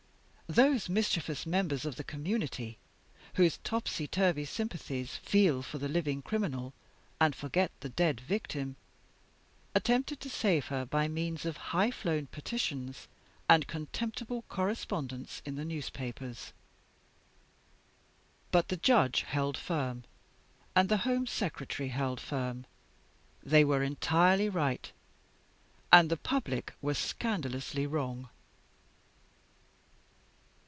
Those mischievous members of the community, whose topsy turvy sympathies feel for the living criminal and forget the dead victim, attempted to save her by means of high flown petitions and contemptible correspondence in the newspapers. But the Judge held firm; and the Home Secretary held firm. They were entirely right; and the public were scandalously wrong.